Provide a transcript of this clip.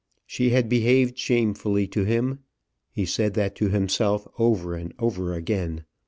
She had behaved shamefully to him. He said that to himself over and over again.